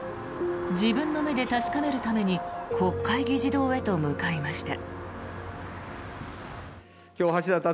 自分の目で確かめるために国会議事堂へと向かいました。